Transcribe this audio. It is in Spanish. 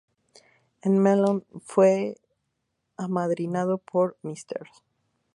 El "Mellon" fue amadrinado por Mrs.